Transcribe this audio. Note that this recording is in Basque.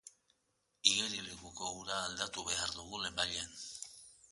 Igerilekuko ura aldatu behar dugu lehenbailehen.